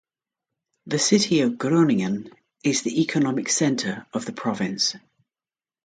The city of Groningen is the economic center of the province.